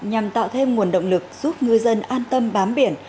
nhằm tạo thêm nguồn động lực giúp ngư dân an tâm bám biển